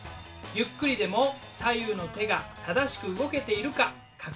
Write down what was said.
ゆっくりでも左右の手が正しく動けているか確認して下さい。